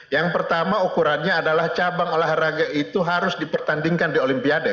yang pertama ukurannya adalah cabang olahraga itu harus dipertandingkan di olimpiade